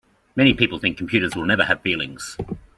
Many people think computers will never have feelings.